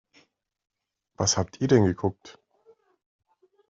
Was habt ihr denn geguckt?